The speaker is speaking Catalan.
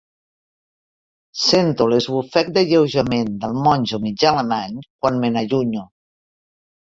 Sento l'esbufec d'alleujament del monjo mig alemany quan me n'allunyo.